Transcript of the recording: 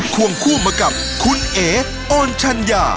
ควงคู่มากับคุณเอ๋อนชัญญา